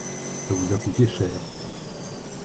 Ça vous a coûté cher.